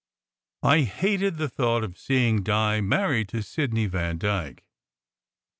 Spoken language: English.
I hated the thought of seeing Di married to Sidney Vandyke.